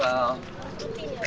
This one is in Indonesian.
harus rutinya ya